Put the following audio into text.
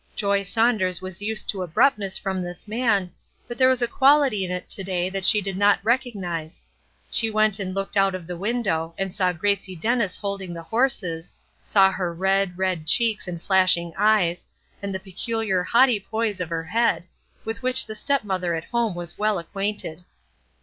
Joy Saunders was used to abruptness from this man, but there was a quality in it to day that she did not recognize. She went and looked out of the window, and saw Gracie Dennis holding the horses, saw her red, red cheeks, and flashing eyes, and the peculiar, haughty poise of her head, with which the stepmother at home was well acquainted.